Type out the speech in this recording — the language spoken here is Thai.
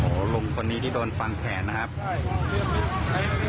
โหลุงคนนี้ที่โดนฟันแขนนะครับ